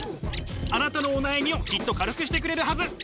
あなたのお悩みをきっと軽くしてくれるはず。